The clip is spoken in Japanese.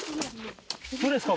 どれですか？